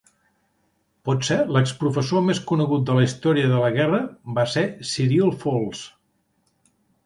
Potser l'exprofessor més conegut de la història de la guerra va ser Cyril Falls.